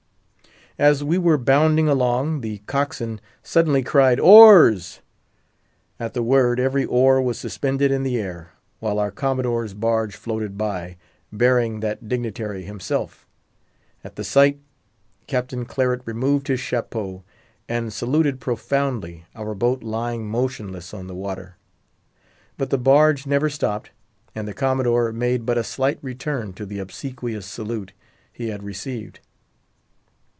As we were bounding along, the cockswain suddenly cried "Oars!" At the word every oar was suspended in the air, while our Commodore's barge floated by, bearing that dignitary himself. At the sight, Captain Claret removed his chapeau, and saluted profoundly, our boat lying motionless on the water. But the barge never stopped; and the Commodore made but a slight return to the obsequious salute he had received.